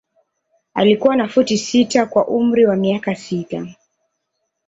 Alikuwa na futi sita kwa umri wa miaka sita.